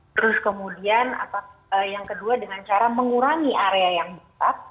terus kemudian yang kedua dengan cara mengurangi area yang besar